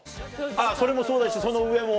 それもそうだしその上も。